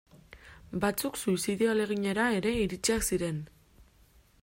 Batzuk suizidio ahaleginera ere iritsiak ziren.